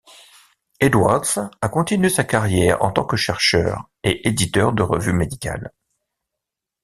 Edwards a continué sa carrière en tant que chercheur et éditeur de revues médicales.